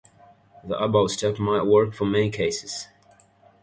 The above step might work for many cases.